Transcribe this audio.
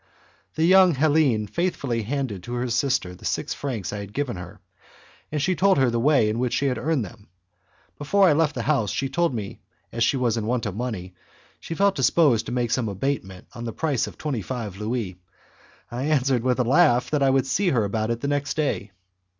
The young Helene faithfully handed to her sister the six francs I had given her, and she told her the way in which she had earned them. Before I left the house she told me that, as she was in want of money, she felt disposed to make some abatement on the price of twenty five louis. I answered with a laugh that I would see her about it the next day.